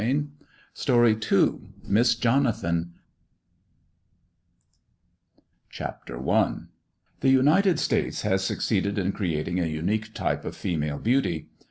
MISS JONATHAN MISS JONATHAN CHAPTEE I THE United States has succeeded in creating a unique type of female beauty.